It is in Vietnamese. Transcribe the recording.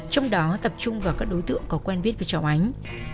trong đó tập trung vào các đối tượng có quen biết với cháu ánh